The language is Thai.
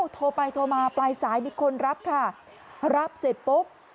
โทรไปโทรมาปลายสายมีคนรับค่ะรับเสร็จปุ๊บ